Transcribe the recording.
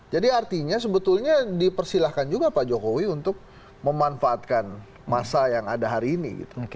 jadi artinya sebetulnya dipersilahkan juga pak jokowi untuk memanfaatkan masa yang ada hari ini